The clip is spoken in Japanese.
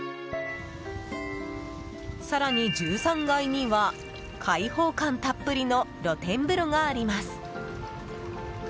更に１３階には開放感たっぷりの露天風呂があります。